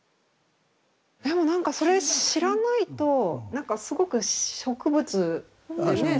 でもなんかそれ知らないとなんかすごく植物ってねえ